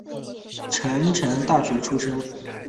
成城大学出身。